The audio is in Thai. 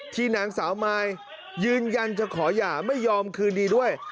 นางสาวมายยืนยันจะขอหย่าไม่ยอมคืนดีด้วย